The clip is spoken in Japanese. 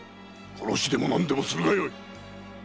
殺しでも何でもするがよい！